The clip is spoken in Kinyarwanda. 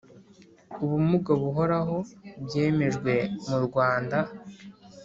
ubumuga buhoraho byemejwe mu Rwanda